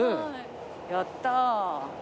やったー。